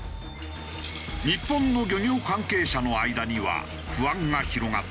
日本の漁業関係者の間には不安が広がっている。